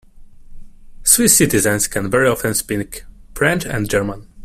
Swiss citizens can very often speak French and German.